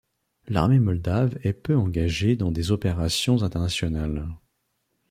L’armée moldave est peu engagée dans des opérations internationales.